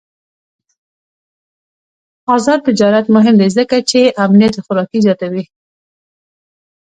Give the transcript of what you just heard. آزاد تجارت مهم دی ځکه چې امنیت خوراکي زیاتوي.